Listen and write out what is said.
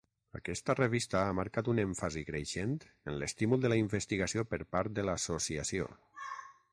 Aquesta revista ha marcat un èmfasi creixent en l'estímul de la investigació per part de l'Associació.